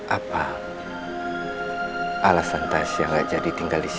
apa alasan tasya gak jadi tinggal di sini